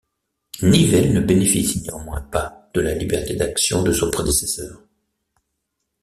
Nivelle ne bénéficie néanmoins pas de la liberté d'action de son prédécesseur.